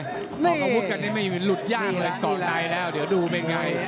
พอเขาพูดกันไม่หลุดยากเลยก่อนใดแล้วเดี๋ยวดูเป็นไง